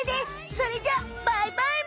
それじゃあバイバイむ！